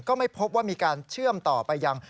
ก็ไม่พบว่ามีการเชื่อมต่อไปยัง